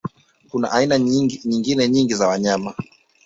Kuna aina nyingine nyingi za wanyama